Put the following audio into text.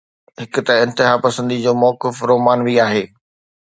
هڪ ته انتها پسنديءَ جو موقف رومانوي آهي.